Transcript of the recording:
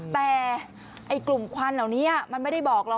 แต่กลุ่มควันเหล่านี้มันไม่ได้บอกหรอก